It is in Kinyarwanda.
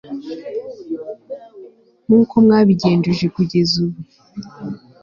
nk'uko mwabigenjeje kugeza ubu